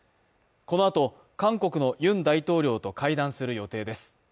このあと、韓国のユン大統領と会談する予定です。